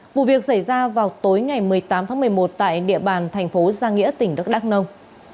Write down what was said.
vụ việc xảy ra vào tối ngày một mươi tám tháng một mươi một tại địa bàn thành phố giang nghĩa tỉnh đắk nông